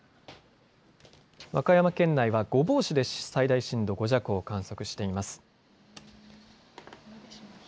和歌山県内は御坊市で震度５弱を観測しています。